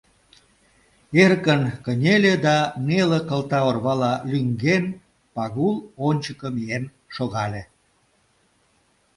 Эркын кынеле да, неле кылта орвала лӱҥген, Пагул ончыко миен шогале.